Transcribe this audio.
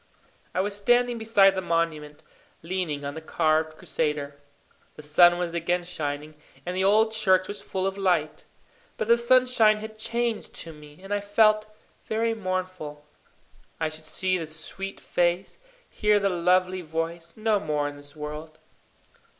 I was standing beside the monument, leaning on the carved Crusader. The sun was again shining, and the old church was full of light. But the sunshine had changed to me, and I felt very mournful. I should see the sweet face, hear the lovely voice, no more in this world.